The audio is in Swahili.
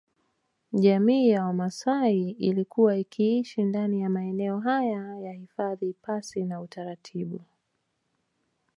Jamii ya Wamaasai ilikuwa ikiishi ndani ya maeneo haya ya hifadhi pasi na utaratibu